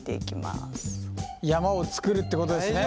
山を作るってことですね